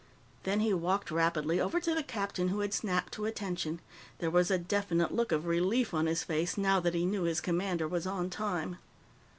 Then he walked rapidly over to the captain, who had snapped to attention. There was a definite look of relief on his face, now that he knew his commander was on time.